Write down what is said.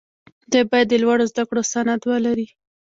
دوی باید د لوړو زدکړو سند ولري.